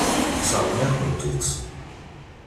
Sseṛɣen-akent-tt.